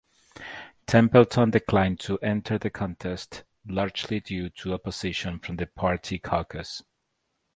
Templeton declined to enter the contest, largely due to opposition from the party caucus.